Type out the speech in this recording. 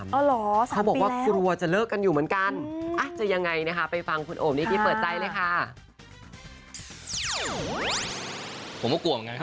ผมก็กลัวเหมือนกันครับผม